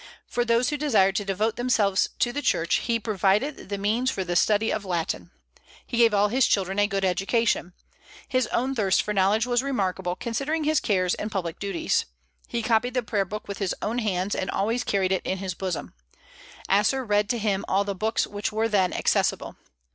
For those who desired to devote themselves to the Church, he provided the means for the study of Latin. He gave all his children a good education. His own thirst for knowledge was remarkable, considering his cares and public duties. He copied the prayer book with his own hands, and always carried it in his bosom, Asser read to him all the books which were then accessible.